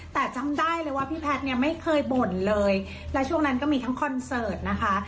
แต่จำได้เลยว่าพี่แพทย์เนี่ยไม่เคยบ่นเลยและช่วงนั้นก็มีทั้งคอนเสิร์ตนะคะ